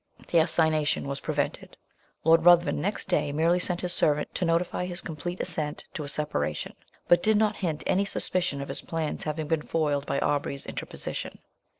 The assignation was prevented. Lord Ruthven next day merely sent his servant to notify his complete assent to a separation; but did not hint any suspicion of his plans having been foiled by Aubrey's interposition.